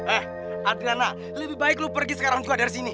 eh adriana lebih baik lu pergi sekarang juga dari sini